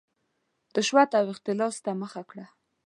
رشوت او اختلاس ته مخه کړه.